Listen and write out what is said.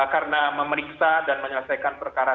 karena memeriksa dan menyelesaikan perkara